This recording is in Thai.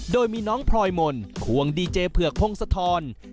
โดยมีน้องพลอยมนต์ควงดีเจเผือกพงศธร